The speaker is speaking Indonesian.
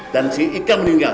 dan si ika meninggal